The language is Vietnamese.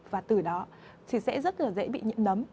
và từ đó thì sẽ rất là dễ bị nhiễm nấm